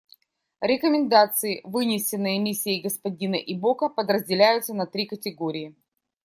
Рекомендации, вынесенные Миссией господина Ибока, подразделяются на три категории.